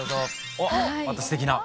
あまたすてきな。